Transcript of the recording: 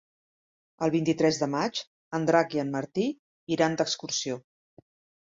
El vint-i-tres de maig en Drac i en Martí iran d'excursió.